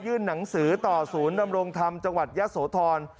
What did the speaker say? หนังสือต่อศูนย์ดำรงธรรมจังหวัดยะโสธร